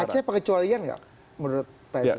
aceh pake colian nggak menurut psi